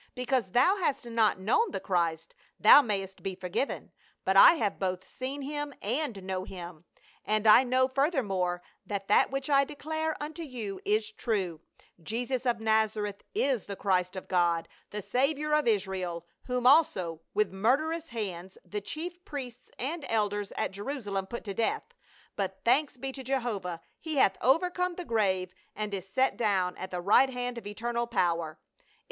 " Because thou hast not known the Christ, thou mayst be forgiven ; but I have both seen him and know him ; and I know furthermore that that which I declare unto you is true, Jesus of Nazareth is the Christ of God, the Savior of Israel, whom also with murderous hands the chief priests and elders at Jerusalem put to death. But, thanks be to Jehovah, he hath overcome the grave and is set down at the right hand of eternal power.